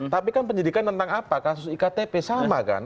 tapi kan penyidikan tentang apa kasus iktp sama kan